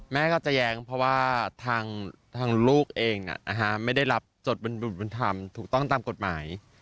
แม่ก็จะแย้งเพราะว่าทางลูกเองไม่ได้รับจดเป็นธรรมถูกต้องตามกฎหมาย